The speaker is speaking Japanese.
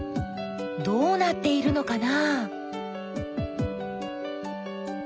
どうなっているのかな？